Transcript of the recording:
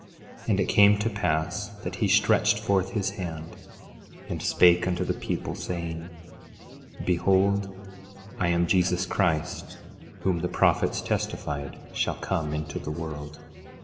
11:9 And it came to pass that he stretched forth his hand and spake unto the people, saying: 11:10 Behold, I am Jesus Christ, whom the prophets testified shall come into the world.